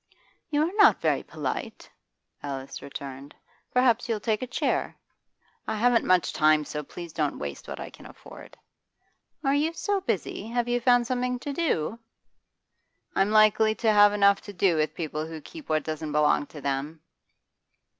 'You are not very polite,' Alice returned. 'Perhaps you'll take a chair.' 'I haven't much time, so please don't waste what I can afford.' 'Are you so busy? Have you found something to do?' 'I'm likely to have enough to do with people who keep what doesn't belong to them.